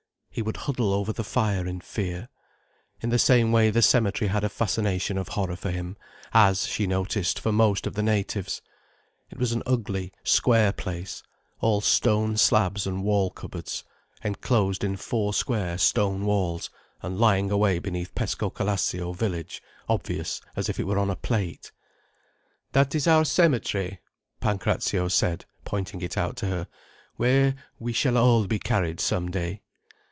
He would huddle over the fire in fear. In the same way the cemetery had a fascination of horror for him—as, she noticed, for most of the natives. It was an ugly, square place, all stone slabs and wall cupboards, enclosed in four square stone walls, and lying away beneath Pescocalascio village obvious as if it were on a plate. "That is our cemetery," Pancrazio said, pointing it out to her, "where we shall all be carried some day."